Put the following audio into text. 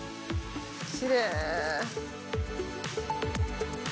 きれい。